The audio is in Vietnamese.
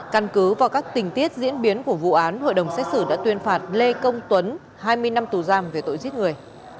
căn cứ vào các tình tiết diễn biến của vụ án hội đồng xét xử đã tuyên phạt lê công tuấn hai mươi năm tù giam về tội giết người